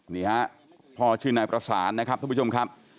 นี่ฮะพ่อชื่อนายประสานนะครับทุกผู้ชมครับ